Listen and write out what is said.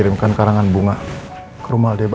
rena sekarang juga masih buku